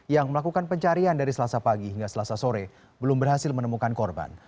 yang melakukan pencarian dari selasa pagi hingga selasa sore belum berhasil menemukan korban